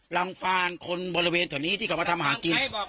ลังฟาลคนบริเวณตอนนี้ที่เขามาทำอาหารกิน